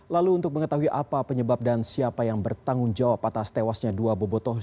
lalu untuk mengetahui apa penyebab dan siapa yang bertanggung jawab atas tewasnya dua bobotoh